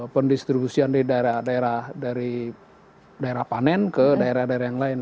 pendistribusian dari daerah daerah panen ke daerah daerah yang lain